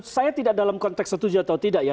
saya tidak dalam konteks setuju atau tidak ya